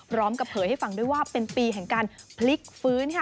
เผยให้ฟังด้วยว่าเป็นปีแห่งการพลิกฟื้นค่ะ